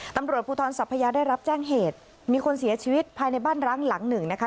ตำรวจภูทรสัพยาได้รับแจ้งเหตุมีคนเสียชีวิตภายในบ้านร้างหลังหนึ่งนะคะ